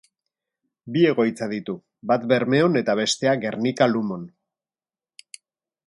Bi egoitza ditu, bat Bermeon eta bestea Gernika-Lumon.